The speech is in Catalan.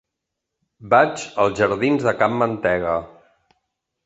Vaig als jardins de Can Mantega.